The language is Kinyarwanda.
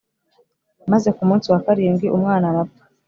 Maze ku munsi wa karindwi umwana arapfa